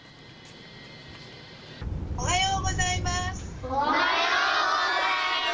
おはようございます。